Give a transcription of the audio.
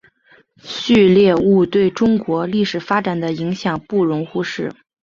旭烈兀对中国历史发展的影响不容忽视。